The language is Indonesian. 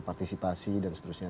partisipasi dan seterusnya